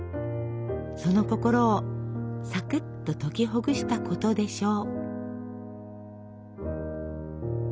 その心をサクッと解きほぐしたことでしょう。